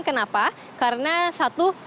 kenapa karena satu mereka tidak mau kpk menjadi terbuka